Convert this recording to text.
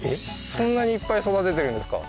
そんなにいっぱい育ててるんですか？